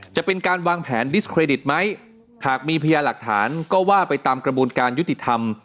จะเป็นการวางแผนดิสเครดิตไหมหากมีพยาหลักฐานก็ว่าไปตามกระบวนการยุติธรรม